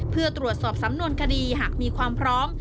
เพื่อตรวจสอบสำนวนคดีหากมีความพร้อม